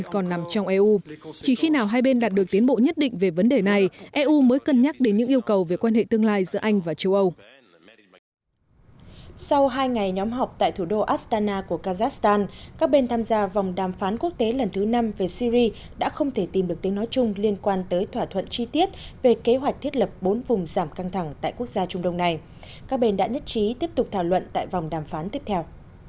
các bên đã nhất trí tiếp tục thảo luận tại vòng đàm phán tiếp theo